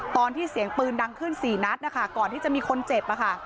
ตอนที่เสียงปืนดังขึ้น๔นัดนะคะก่อนที่จะมีคนเจ็บอะค่ะ